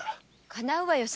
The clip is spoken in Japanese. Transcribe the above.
かなうわよ